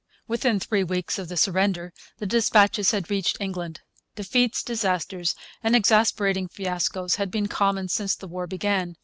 Within three weeks of the surrender the dispatches had reached England. Defeats, disasters, and exasperating fiascos had been common since the war began.